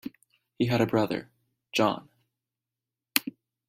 He had a brother, John.